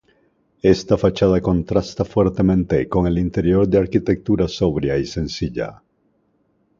Esta fachada contrasta fuertemente con el interior de arquitectura sobria y sencilla.